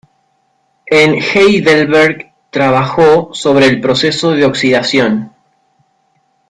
En Heidelberg, trabajó sobre el proceso de oxidación.